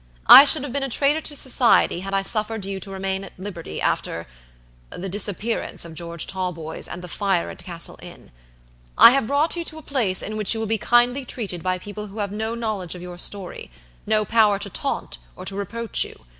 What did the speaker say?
"I should have been a traitor to society had I suffered you to remain at liberty afterthe disappearance of George Talboys and the fire at Castle Inn. I have brought you to a place in which you will be kindly treated by people who have no knowledge of your storyno power to taunt or to reproach you.